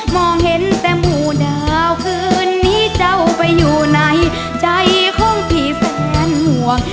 มองเห็นแต่หมู่ดาวคืนนี้เจ้าไปอยู่ในใจของพี่แฟนห่วง